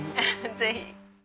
ぜひ。